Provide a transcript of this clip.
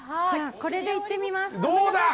これでいってみます。